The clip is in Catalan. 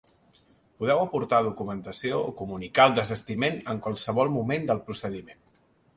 Podeu aportar documentació o comunicar el desistiment en qualsevol moment del procediment.